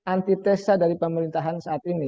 antitesa dari pemerintahan saat ini